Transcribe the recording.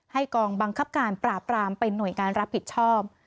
กองบังคับการปราบรามเป็นหน่วยงานรับผิดชอบ